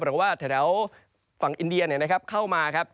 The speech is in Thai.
หรือว่าทะแถวฝั่งอินเดียนะครับเข้ามาครับ